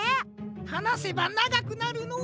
はなせばながくなるのう。